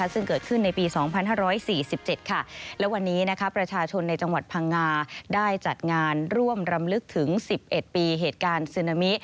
ซึ่งเกิดขึ้นในปี๒๕๔๗และวันนี้ประชาชนในจังหวัดพังงาได้จัดงานร่วมรำลึกถึง๑๑ปีเหตุการณ์ซึนามิ